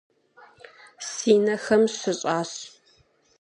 Си нэхэм щыщӏащ.